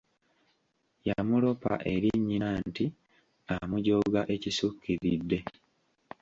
Yamuloopa eri nnyina nti amujooga ekisukkiridde.